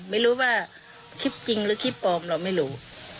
ไม่รู้ว่าคลิปจริงหรือคลิปปลอมเราไม่รู้